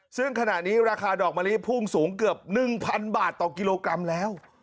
ซึ่งขณะนี้ราคาดอกมะลิพุ่งสูงเกือบ๑๐๐บาทต่อกิโลกรัมแล้ว